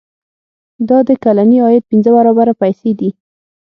دا د کلني عاید پنځه برابره پیسې دي.